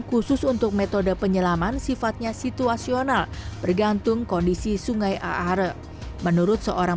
khusus untuk metode penyelaman sifatnya situasional bergantung kondisi sungai aare menurut seorang